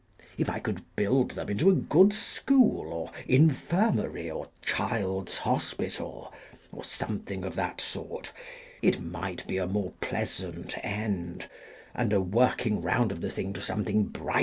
If I could build them into a good school, or infirmary, or child's hospital, or something of that sort, it might be a more pleasant end, and a working round of the thing to something brighter.